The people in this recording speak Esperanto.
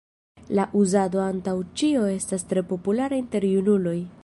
La uzado antaŭ ĉio estas tre populara inter junuloj.